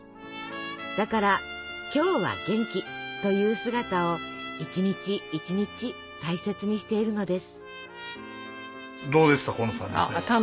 だから「今日は元気」という姿を一日一日大切にしているのです。